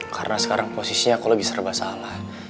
karena sekarang posisinya aku lagi serba salah